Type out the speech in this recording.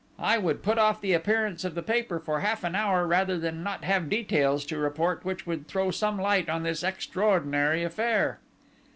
I would put off the appearance of the paper for half an hour rather than not have details to report which would throw some light on this extraordinary affair."